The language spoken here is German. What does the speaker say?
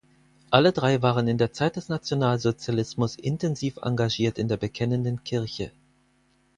Alle drei waren in der Zeit des Nationalsozialismus intensiv engagiert in der Bekennenden Kirche.